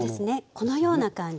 このような感じ。